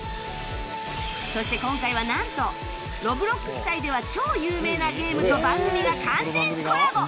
そして今回はなんと Ｒｏｂｌｏｘ 界では超有名なゲームと番組が完全コラボ！